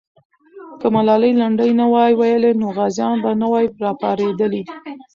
که ملالۍ لنډۍ نه وای ویلې، نو غازیان به نه وای راپارېدلي.